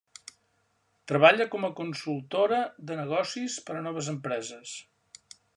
Treballa com a consultora de negocis per a noves empreses.